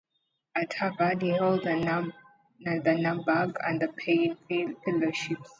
At Harvard he held the Naumberg and Paine Fellowships.